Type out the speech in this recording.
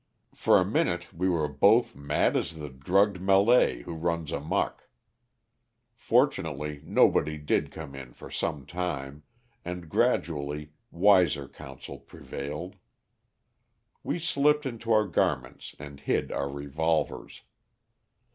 For a minute we were both mad as the drugged Malay who runs amuck. Fortunately nobody did come in for some time, and gradually wiser counsels prevailed. We slipped into our garments and hid our revolvers.